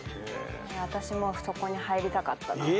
私もそこに入りたかったな。